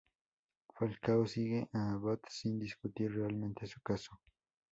Falcao sigue a Abbott sin discutir realmente su caso.